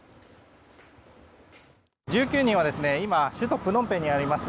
１９人は今首都プノンペンにあります